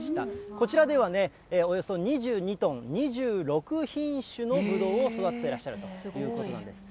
こちらではね、およそ２２トン、２６品種のぶどうを育ててらっしゃるということなんですね。